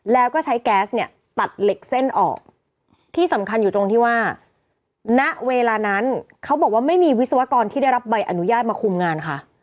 แล้วก็ใช้แก๊สเนี่ยตัดเหล็กเส้นออกที่สำคัญอยู่ตรงที่ว่าณเวลานั้นเขาบอกว่าไม่มีวิศวกรที่ได้รับใบอนุญาตมาคุมงานค่ะ